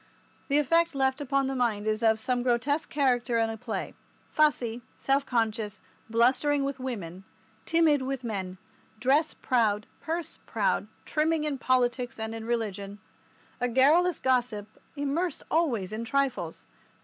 The effect left upon the mind is of some grotesque character in a play, fussy, self conscious, blustering with women, timid with men, dress proud, purse proud, trimming in politics and in religion, a garrulous gossip immersed always in trifles.